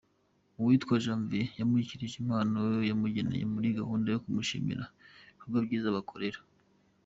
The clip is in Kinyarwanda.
Uwitwa Janvier yamushyikirije impano bamugeneye muri gahunda yo kumushimira ibikorwa byiza abakorera .